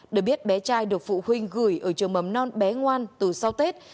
được biết bé trai được phụ huynh gửi ở trường mầm non bé ngoan từ sau tết